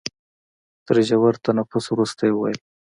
تر ژور تنفس وروسته يې وويل.